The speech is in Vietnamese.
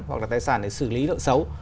hoặc là tài sản để xử lý lợi xấu